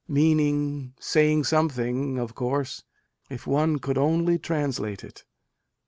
meaning, saying something, of course (if one could only translate it.)